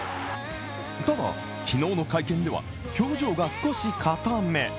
ただ、昨日の会見では表情が少しかため。